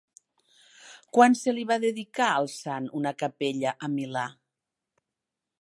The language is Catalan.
Quan se li va dedicar al sant una capella a Milà?